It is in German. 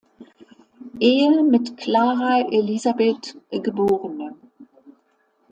Ehe mit Klara Elisabeth, geb.